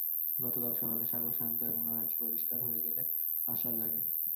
গতকাল সকালে সাগর শান্ত এবং আকাশ পরিষ্কার হয়ে গেলে আশা জাগে।